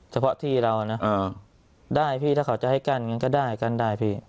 แต่เพราะที่เรานะอ่าได้พี่ถ้าเขาจะให้กั้นอย่างงั้นก็ได้กั้นได้พี่